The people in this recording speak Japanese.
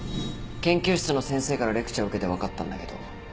研究室の先生からレクチャー受けて分かったんだけど。